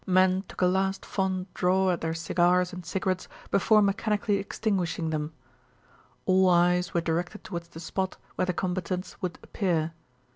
Men took a last fond draw at their cigars and cigarettes before mechanically extinguishing them. All eyes were directed towards the spot where the combatants would appear.